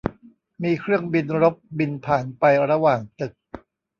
มีเครื่องบินรบบินผ่านไประหว่างตึก